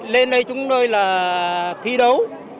lên đây chúng tôi là thi đấu